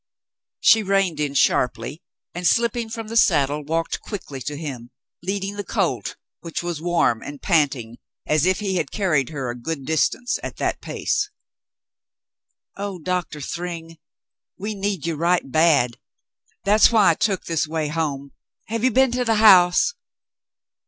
She reined in sharply and, slipping from the saddle, walked quickly to him, leading the colt, which was warm and panting as if he had carried her a good distance at that pace. "Oh, Doctor Thryng, we need you right bad. That's why I took this way home. Have you been to the house